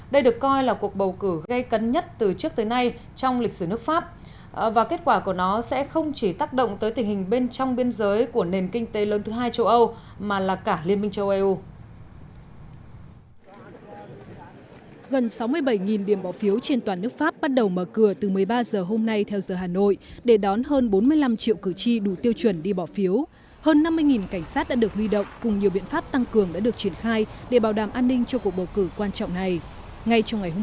đây được coi là cuộc bầu cử gây cấn nhất từ trước tới nay trong lịch sử nước pháp và kết quả của nó sẽ không chỉ tác động tới tình hình bên trong biên giới của nền kinh tế lớn thứ hai châu âu mà là cả liên minh châu âu